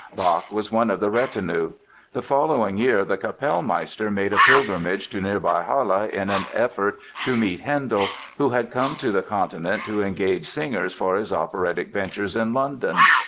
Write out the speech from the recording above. Bach was one of the retinue. The following year the Kapellmeister made a pilgrimage to nearby Halle in an effort to meet Handel, who had come to the Continent to engage singers for his operatic ventures in London.